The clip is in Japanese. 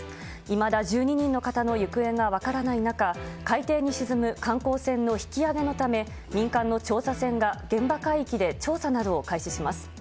いまだ１２人の方の行方が分からない中、海底に沈む観光船の引き揚げのため、民間の調査船が現場海域で調査などを開始します。